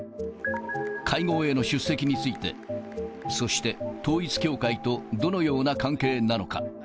会合への出席について、そして統一教会とどのような関係なのか。